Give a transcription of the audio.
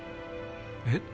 えっ？